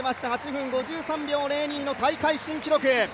８分５３秒０２の大会新記録！